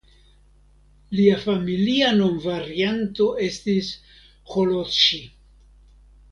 Lia familia nomvarianto estis "Holocsi".